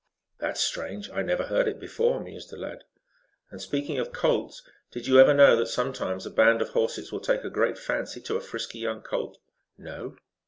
"That's strange. I never heard it before," mused the lad. "And speaking of colts, did you ever know that sometimes a band of horses will take a great fancy to a frisky young colt?" "No."